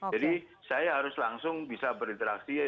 jadi saya harus langsung bisa berinteraksi